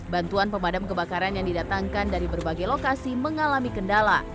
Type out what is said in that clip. bantuan pemadam kebakaran yang didatangkan dari berbagai lokasi mengalami kendala